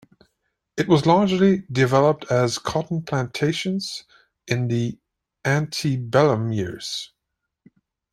It was largely developed as cotton plantations in the antebellum years.